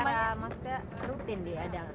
itu acara maka rutin deh ada